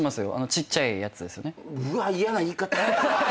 ちっちゃいやつですよね。